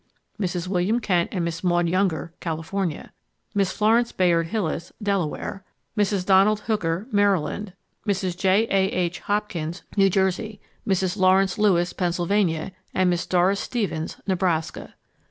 Mrs. William Kent and Miss Maud Younger, California; Mrs. Florence Bayard Hilles, Delaware; Mrs. Donald Hooker, Maryland; Mrs. J. A. H. Hopkins, New Jersey; Mrs. Lawrence Lewis, Pennsylvania, and Miss Doris Stevens, Nebraska.